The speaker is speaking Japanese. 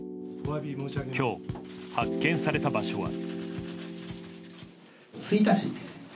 今日、発見された場所は。